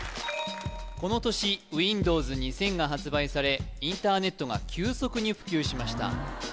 この年Ｗｉｎｄｏｗｓ２０００が発売されインターネットが急速に普及しました